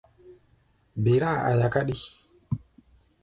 Ber-áa aia káɗí.